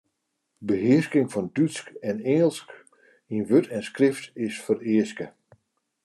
Behearsking fan Dútsk en Ingelsk yn wurd en skrift is fereaske.